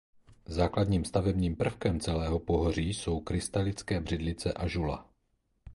Základním stavebním prvkem celého pohoří jsou krystalické břidlice a žula.